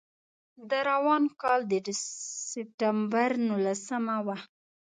د روان کال د سپټمبر نولسمه وه.